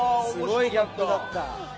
すごいギャップだった。